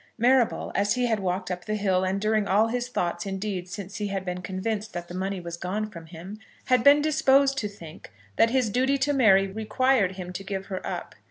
Marrable, as he had walked up the hill, and during all his thoughts, indeed, since he had been convinced that the money was gone from him, had been disposed to think that his duty to Mary required him to give her up.